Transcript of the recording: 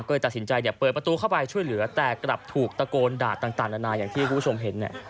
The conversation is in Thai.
ก็เลยตัดสินใจเปิดประตูเข้าไปช่วยเหลือแต่กลับถูกตะโกนด่าต่างนานาอย่างที่คุณผู้ชมเห็นเนี่ย